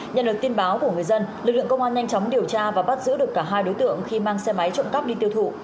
nhận được tin báo của người dân lực lượng công an nhanh chóng điều tra và bắt giữ được cả hai đối tượng khi mang xe máy trộm cắp đi tiêu thụ